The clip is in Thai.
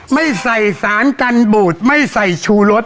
ไม่ใส่สารกันบูดไม่ใส่ชูรส